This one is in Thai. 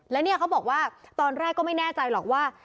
แล้วเนี่ยเขาบอกว่าตอนแรกก็ไม่แน่ใจหรอกว่า